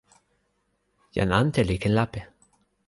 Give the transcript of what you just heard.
jan ante li ken lape.